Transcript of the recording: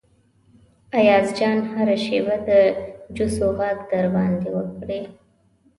ایاز جان هره شیبه د جوسو غږ در باندې وکړي.